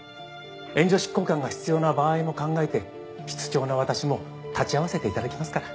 援助執行官が必要な場合も考えて室長の私も立ち会わせて頂きますから。